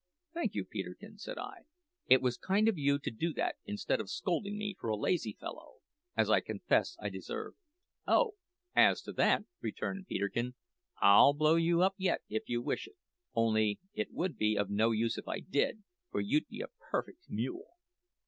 "Thank you, Peterkin," said I. "It was kind of you to do that instead of scolding me for a lazy fellow, as I confess I deserve." "Oh, as to that," returned Peterkin, "I'll blow you up yet if you wish it; only it would be of no use if I did, for you're a perfect mule!"